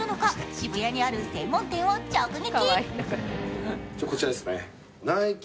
渋谷にある専門店を直撃！